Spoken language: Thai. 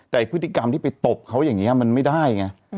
แต่พฤติกรรมที่ไปตบเขาอย่างนี้มันไม่ได้ไง